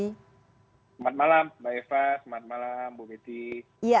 selamat malam mbak eva selamat malam bu betty